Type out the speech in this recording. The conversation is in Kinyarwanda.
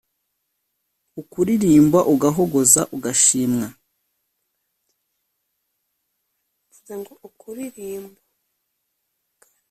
ukaririmba ugahogoza ugashimwa